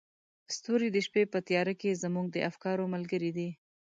ستوري د شپې په تیاره کې زموږ د افکارو ملګري دي.